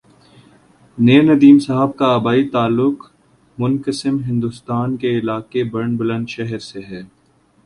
نیّرندیم صاحب کا آبائی تعلق منقسم ہندوستان کے علاقہ برن بلند شہر سے ہے